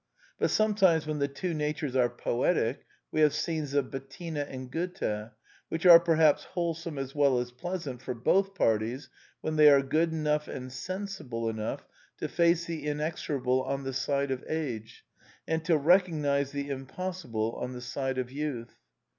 But sometimes, when the two natures are poetic, we have scenes of Bettina and Goethe, which are perhaps wholesome as well as pleasant for both parties when they are good enough and sensible enough to face the inexorable on the side of age and to recognize the impossible on the side of youth.